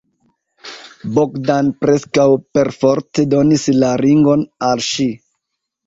Bogdan preskaŭ perforte donis la ringon al ŝi.